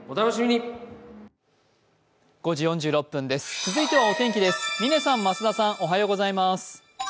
続いてはお天気です。